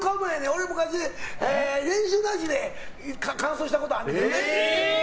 俺、昔練習なしで完走したことあんねん。